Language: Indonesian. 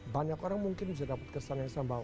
banyak orang mungkin bisa dapat kesan yang sama